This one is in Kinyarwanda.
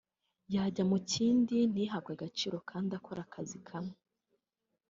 yajya mu kindi ntihabwe agaciro kandi akora akazi kamwe